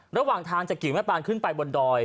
ระหว่างทางจะกิ่งแม่ปานขึ้นไปบนดอย